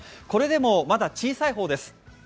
これでもまだ小さい方です。